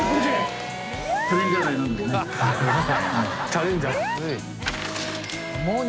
チャレンジャー。